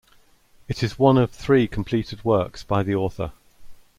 It is one of three completed works by the author.